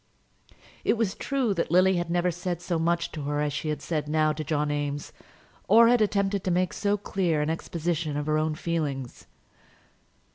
It was true that Lily had never said so much to her as she had now said to John Eames, or had attempted to make so clear an exposition of her own feelings.